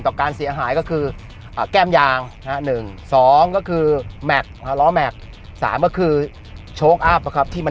ที่เวลาเราตกลงไป